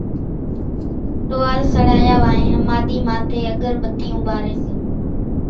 ٽوئال سڙايا وانھين ۿماۮي ماٿي اڳر ٻتيون ٻاري سي